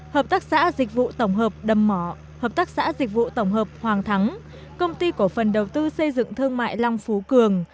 hợp tác xã dịch vụ tổng hợp đâm mỏ hợp tác xã dịch vụ tổng hợp hoàng thắng công ty cổ phần đầu tư xây dựng thương mại long phú cường